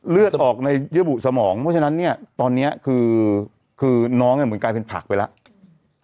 เลือดออกในเยื่อบุสมองเพราะฉะนั้นเนี่ยตอนนี้คือน้องเหมือนกลายเป็นผักไปแล้ว